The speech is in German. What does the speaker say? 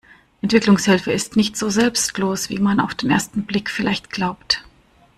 Entwicklungshilfe ist nicht so selbstlos, wie man auf den ersten Blick vielleicht glaubt.